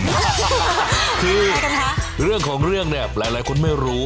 คือเรื่องของเรื่องเนี่ยหลายคนไม่รู้